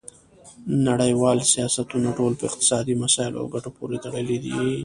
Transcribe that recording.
نړیوال سیاستونه ټول په اقتصادي مسایلو او ګټو پورې تړلي دي